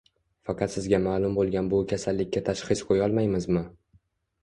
Faqat sizga ma’lum bo‘lgan bu kasallikka tashxis qo‘yolmaymizmi?